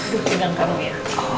gue pegang kamu ya